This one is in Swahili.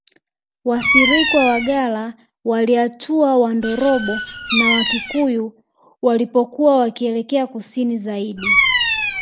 Wasirikwa Wagalla Waliatua Wandorobo na Wakikuyu walipokuwa wakielekea Kusini zaidi